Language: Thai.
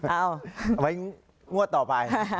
เอาไว้งวดต่อไป